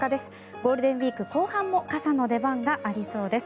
ゴールデンウィーク後半も傘の出番がありそうです。